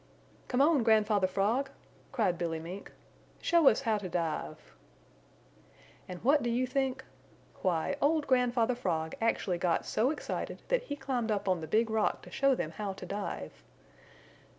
"Come on, Grandfather Frog!" cried Billy Mink. "Show us how to dive." And what do you think? Why, old Grandfather Frog actually got so excited that he climbed up on the Big Rock to show them how to dive.